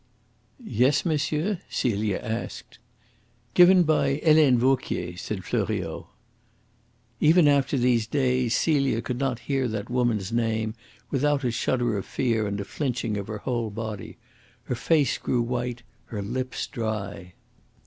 "Yes, monsieur?" Celia asked. "Given by Helene Vauquier," said Fleuriot. Even after these days Celia could not hear that woman's name without a shudder of fear and a flinching of her whole body. Her face grew white, her lips dry.